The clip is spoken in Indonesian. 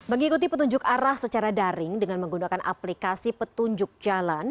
mengikuti petunjuk arah secara daring dengan menggunakan aplikasi petunjuk jalan